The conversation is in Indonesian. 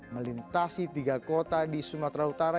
melintasi tiga kota di sumatera utara